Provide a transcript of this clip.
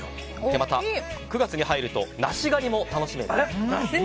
また、９月に入ると梨狩りも楽しめると。